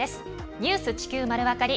「ニュース地球まるわかり」